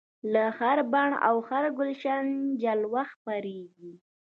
له هر بڼ او هر ګلشن جلوه خپریږي